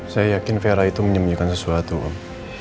saya yakin vera itu menyembunyikan sesuatu om